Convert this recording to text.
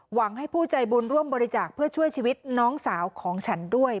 หวังให้ผู้ใจบุญร่วมบริจาคเพื่อช่วยชีวิตน้องสาวของฉันด้วย